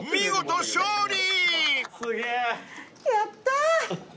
やったー！